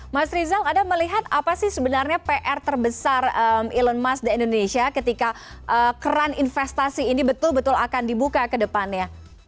mas rizal anda melihat apa sih sebenarnya pr terbesar elon musk di indonesia ketika keran investasi ini betul betul akan dibuka ke depannya